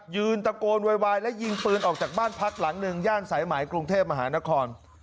ยืนตะโกนโวยวายและยิงปืนออกจากบ้านพักหลังหนึ่งย่านสายหมายกรุงเทพมหานคร